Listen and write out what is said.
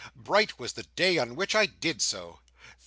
Bright was the day on which I did so!